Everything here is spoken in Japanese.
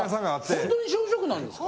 ほんとに小食なんですか？